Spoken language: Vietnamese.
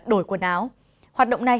đổi quần áo hoạt động này